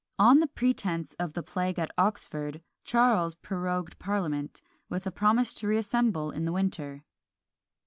On the pretence of the plague at Oxford, Charles prorogued parliament, with a promise to reassemble in the winter.